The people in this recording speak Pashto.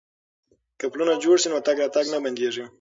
که پلونه جوړ شي نو تګ راتګ نه بندیږي.